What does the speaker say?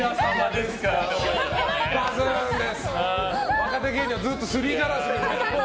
若手芸人はずっとすりガラス。